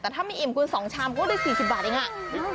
แต่ถ้าไม่อิ่มคุณ๒ชามก็ได้๔๐บาทเองอะ